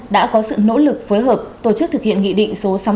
đã có sự nỗ lực phối hợp tổ chức thực hiện nghị định số sáu mươi bảy